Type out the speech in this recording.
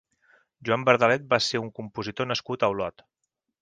Joan Verdalet va ser un compositor nascut a Olot.